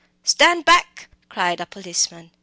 "Stand back!" cried a policeman.